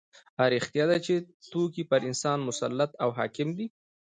دا رښتیا ده چې توکي پر انسان مسلط او حاکم دي